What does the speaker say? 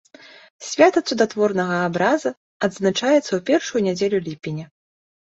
Свята цудатворнага абраза адзначаецца ў першую нядзелю ліпеня.